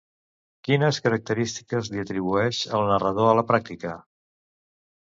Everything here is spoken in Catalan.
Quines característiques li atribueix el narrador a la pràctica?